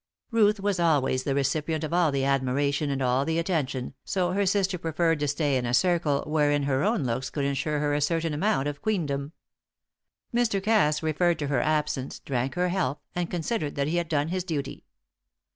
Ruth was always the recipient of all the admiration and all the attention, so her sister preferred to stay in a circle wherein her own looks could ensure her a certain amount of queendom. Mr. Cass referred to her absence, drank her health, and considered that he had done his duty.